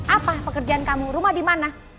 apa pekerjaan kamu rumah dimana